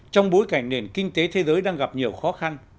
trong bối cảnh nền kinh tế thế giới đang gặp nhiều khó khăn